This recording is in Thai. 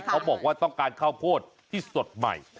เขาบอกว่าต้องการข้าวโพดที่สดใหม่